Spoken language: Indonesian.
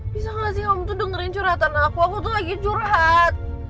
bisa gak sih om tuh dengerin curhatan aku aku tuh lagi curhat